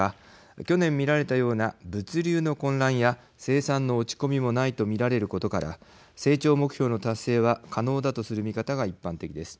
去年、見られたような物流の混乱や生産の落ち込みもないと見られることから成長目標の達成は可能だとする見方が一般的です。